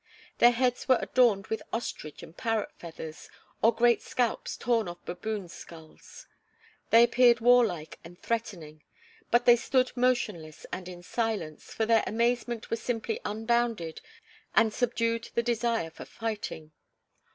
Their heads were adorned with ostrich and parrot feathers, or great scalps torn off baboons' skulls. They appeared warlike and threatening, but they stood motionless and in silence, for their amazement was simply unbounded and subdued the desire for fighting.